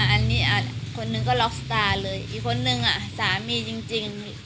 อันนี้คนหนึ่งก็ล็อกสตาร์เลยอีกคนนึงอ่ะสามีจริง